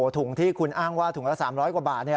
ถุงที่คุณอ้างว่าถุงละ๓๐๐กว่าบาท